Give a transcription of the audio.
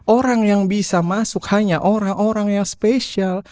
orang yang bisa masuk hanya orang orang yang spesial